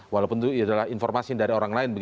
walaupun itu adalah informasi dari orang lain